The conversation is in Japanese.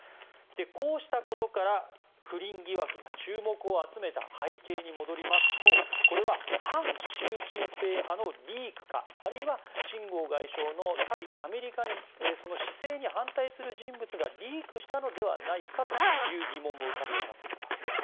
こうしたことから不倫疑惑が注目を集めた背景に戻りますとこれは反習近平派のリークかあるいはシン・ゴウ外相の対アメリカの姿勢に反対する人物がリークしたのではないかという疑問も浮かび上がってくるわけです。